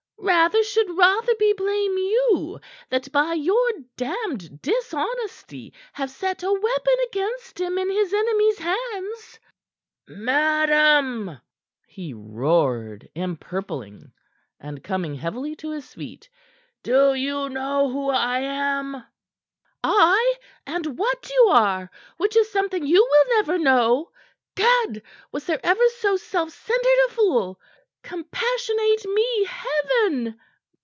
Rather should Rotherby, blame you that by your damned dishonesty have set a weapon against him in his enemy's hands." "Madam!" he roared, empurpling, and coming heavily to his feet. "Do you know who I am?" "Ay and what you are, which is something you will never know. God! Was there ever so self centered a fool? Compassionate me, Heaven!"